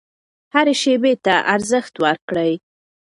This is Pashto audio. هرې شیبې ته ارزښت ورکړئ.